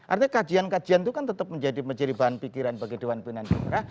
artinya kajian kajian itu kan tetap menjadi bahan pikiran bagi dewan pimpinan daerah